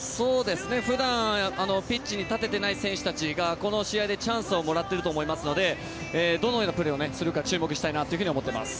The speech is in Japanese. ふだん、ピッチに立てていない選手たちがこの試合でチャンスをもらっていると思いますのでどのようなプレーをするか注目したいと思っています。